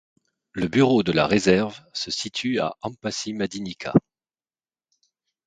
Le bureau de la réserve se situe à Ampasimadinika.